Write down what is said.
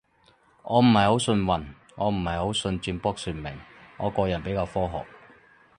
我唔係好信運，我唔係好信占卜算命，我個人比較科學